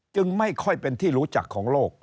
ไม่ค่อยเป็นที่รู้จักของโลก